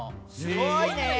すごいね！